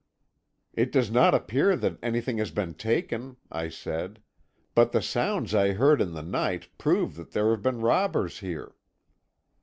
"'It does not appear that anything has been taken,' I said, 'but the sounds I heard in the night prove that there have been robbers here.'